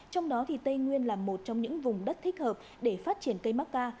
trong đó thì tây nguyên là một trong những vùng đất thích hợp để phát triển cây macca